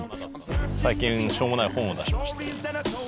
最近しょうもない本を出しましてね。